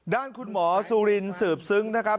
ด้านคุณหมอสุรินสืบซึ้งนะครับ